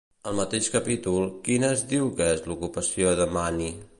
Al mateix capítol, quina es diu que és l'ocupació de Máni?